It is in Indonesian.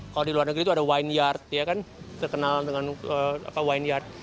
kalau di luar negeri itu ada wine yard ya kan terkenal dengan wine yard